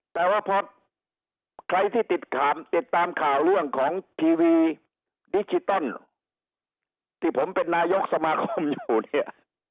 แต่ว่าเพราะใครที่ติดตามข่าวเรื่องของทีวีดิจิทัลที่ผมเป็นนายกสมาคมอยู่เนี่ย